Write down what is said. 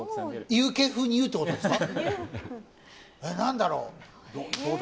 ＵＫ風に言うってことですか？